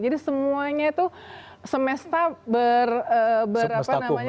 jadi semuanya itu semesta berapa namanya